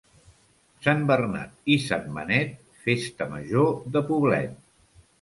Sant Bernat i Sant Benet, festa major de Poblet.